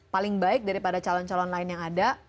paling baik daripada calon calon lain yang ada